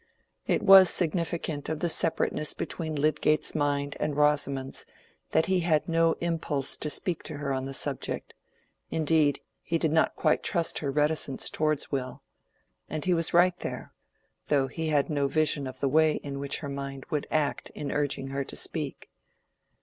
It was significant of the separateness between Lydgate's mind and Rosamond's that he had no impulse to speak to her on the subject; indeed, he did not quite trust her reticence towards Will. And he was right there; though he had no vision of the way in which her mind would act in urging her to speak.